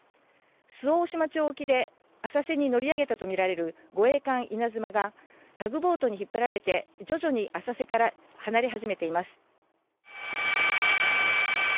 周防大島町沖で浅瀬に乗り上げたとみられる護衛艦「いなづま」がタグボートに引っ張られて徐々に浅瀬から離れ始めています。